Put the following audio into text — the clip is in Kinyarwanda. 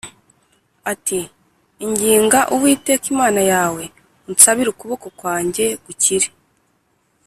ati “Inginga Uwiteka Imana yawe, unsabire ukuboko kwanjye gukire”